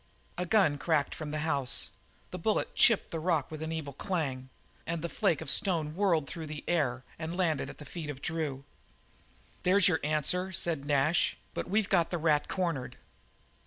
A gun cracked from the house; the bullet chipped the rock with an evil clang, and the flake of stone whirled through the air and landed at the feet of Drew. "There's your answer," said Nash. "But we've got the rat cornered."